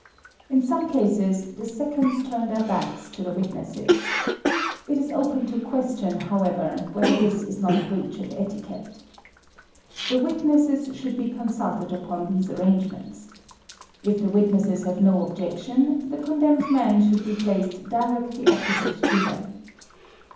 In some cases the seconds turn their backs to the witnesses. It is open to question, however, whether this is not a breach of etiquette. The witnesses should be consulted upon these arrangements. If the witnesses have no objection, the condemned man should be placed directly opposite to them.